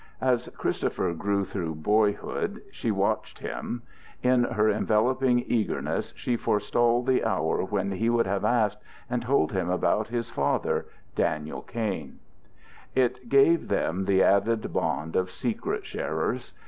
As Christopher grew through boyhood, she watched him; in her enveloping eagerness she forestalled the hour when he would have asked, and told him about his father, Daniel Kain. It gave them the added bond of secret sharers.